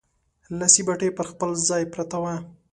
لاسي بتۍ پر خپل ځای پرته وه.